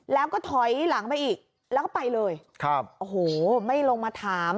แล้วก็ถอยหลังไปอีกแล้วก็ไปเลยครับโอ้โหไม่ลงมาถาม